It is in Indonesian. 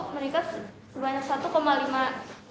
meningkat sebanyak satu lima